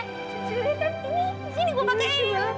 ini sini gue pake ini